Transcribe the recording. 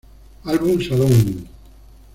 Album Salón.